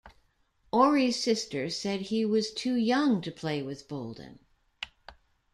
Ory's sister said he was too young to play with Bolden.